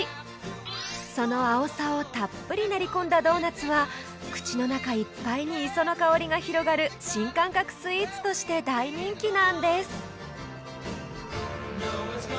そのあおさをたっぷり練り込んだドーナツは口の中いっぱいに磯の香りが広がる新感覚スイーツとして大人気なんです